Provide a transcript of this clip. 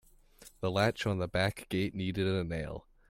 The latch on the back gate needed a nail.